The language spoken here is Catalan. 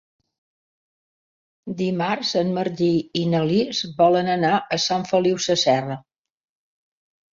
Dimarts en Martí i na Lis volen anar a Sant Feliu Sasserra.